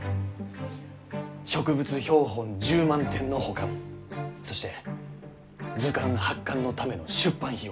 植物標本１０万点の保管そして図鑑発刊のための出版費用